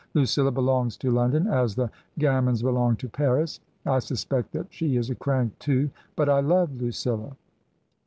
Lucilla belongs to London as the gamins belong to Paris. I suspect that she is a crank too. But I love Lucilla."